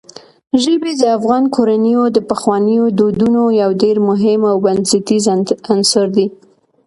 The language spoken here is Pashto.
ژبې د افغان کورنیو د پخوانیو دودونو یو ډېر مهم او بنسټیز عنصر دی.